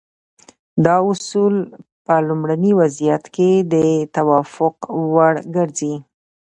دا اصول په لومړني وضعیت کې د توافق وړ ګرځي.